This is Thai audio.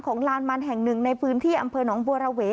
ลานมันแห่งหนึ่งในพื้นที่อำเภอหนองบัวระเว